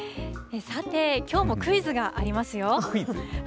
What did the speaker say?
さて、きょうもクイズがありますよ。